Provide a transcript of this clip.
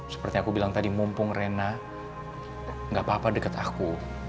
seperti aku bilang tadi mumpung rena gak apa apa dekat aku